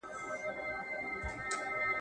که ژوند وي نو زده کړه نه ختمیږي.